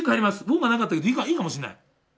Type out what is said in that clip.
「を」がなかったけどいいかもしんない。